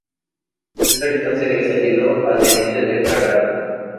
Por esta acción sería ascendido a teniente de fragata.